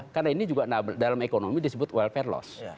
karena ini juga dalam ekonomi disebut welfare loss